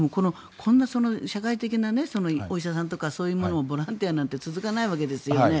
こんな社会的なお医者さんとかボランティアなんて続かないわけですよね。